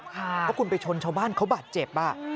เพราะคุณไปชนชาวบ้านเขาบาดเจ็บ